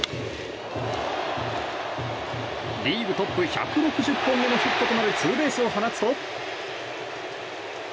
リーグトップ１６０本目のヒットとなるツーベースを放つと。